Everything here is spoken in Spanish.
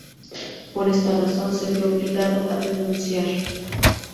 Por esta razón, se vio obligado a renunciar.